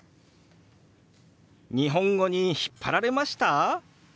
日本語に引っ張られました？